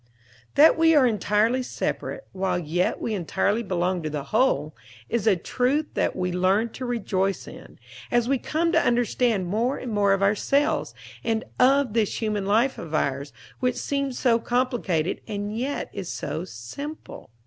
That we are entirely separate, while yet we entirely belong to the Whole, is a truth that we learn to rejoice in, as we come to understand more and more of ourselves, and of this human life of ours, which seems so complicated, and yet is so simple.